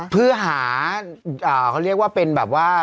เพื่อหาเขาเรียกว่าเป็นแบบว่า